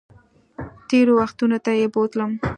تېرو وختونو ته یې بوتلم